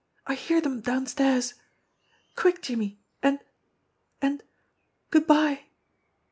I hear them downstairs. Quick, Jimmie, and and good bye!"